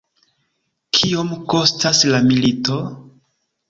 Kiom kostas la milito?